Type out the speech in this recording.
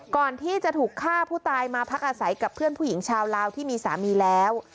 ก่อนที่จะถูกฆ่าผู้ตายมาพักอาศัยกับเพื่อนผู้หญิงชาวลาวที่มีสามีแล้ว